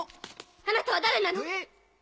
あなたは誰なの⁉えっ？